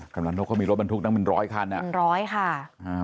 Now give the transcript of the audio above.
กำลังนกเขามีรถบรรทุกตั้งเป็นร้อยคันอ่ะเป็นร้อยค่ะอ่า